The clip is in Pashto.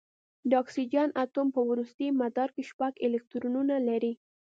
د اکسیجن اتوم په وروستي مدار کې شپږ الکترونونه لري.